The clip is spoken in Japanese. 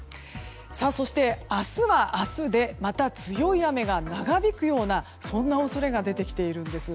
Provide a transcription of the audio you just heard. そして、明日は明日でまた強い雨が長引くようなそんな恐れが出てきているんです。